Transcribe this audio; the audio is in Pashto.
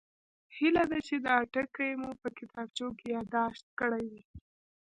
هیله ده چې دا ټکي مو په کتابچو کې یادداشت کړي وي